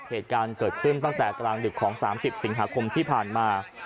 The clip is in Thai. เหตุการณ์เกิดขึ้นตั้งแต่กลางดึกของ๓๐สิงหาคมที่ผ่านมา